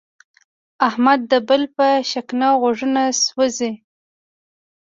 احمد د بل په شکنه غوږونه سوزي.